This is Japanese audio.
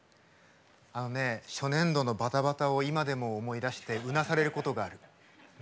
あのね初年度のバタバタを今でも思い出してうなされることがある。